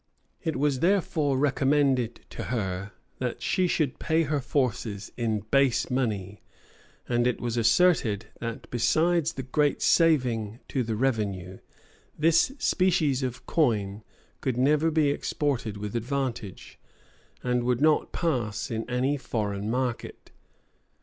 It was therefore recommended to her, that she should pay her forces in base money; and it was asserted that, besides the great saving to the revenue, this species of coin could never be exported with advantage, and would not pass in any foreign market.